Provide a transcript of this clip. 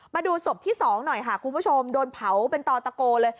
มาดูศพที่๒หน่อยค่ะคุณผู้ชมโดนเผาเป็นตอตะโกเลย